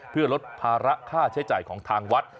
เพื่อลดภาระค่าใช้จ่ายของทางวัด